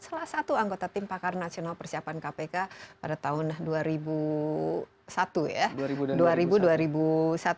salah satu anggota tim pakar nasional persiapan kpk pada tahun dua ribu satu ya